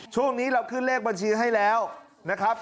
ช่วงนี้เราขึ้นเลขบัญชีให้แล้วนะครับ